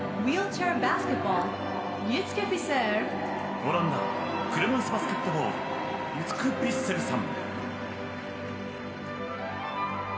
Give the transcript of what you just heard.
オランダ車いすバスケットボールイツケ・フィッセルさん。